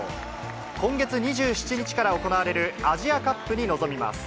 今月２７日から行われるアジアカップに臨みます。